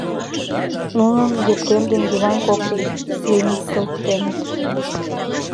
Нуным Епрем ден Йыван коктын клеймитлыктеныт.